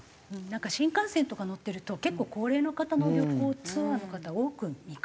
なんか新幹線とか乗ってると結構高齢の方の旅行ツアーの方多く見かけますよね。